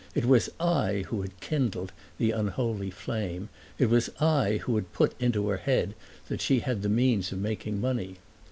It was I who had kindled the unholy flame; it was I who had put into her head that she had the means of making money.